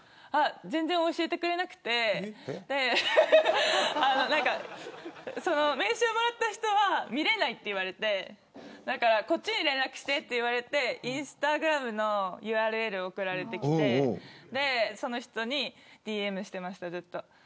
全然教えてくれなくて名刺をくれた人には見れないと言われてこっちに連絡してと言われてインスタグラムのＵＲＬが送られてきてその人にＤＭをしてました、ずっと。